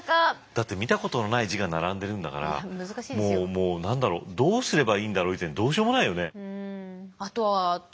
だって見たことのない字が並んでるんだからもうもう何だろうどうすればいいんだろう以前にどうしようもないよね？